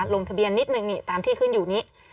ลงทะเบียนนิดนึงนี่ตามที่ขึ้นอยู่นี้